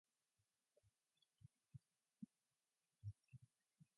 Two mathematical objects are isomorphic if an isomorphism exists between them.